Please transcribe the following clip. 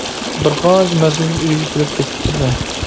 بىر قانچە مەزگىل ئۆيگە كېلىپ كېتىپ تۇردى.